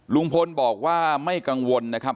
ลุงพลบอกว่าไม่กังวลนะครับ